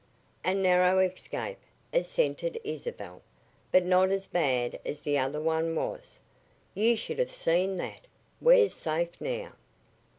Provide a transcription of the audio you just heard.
"A narrow escape," assented Isabel. "But not as bad as the other one was. You should have seen that! We're safe now."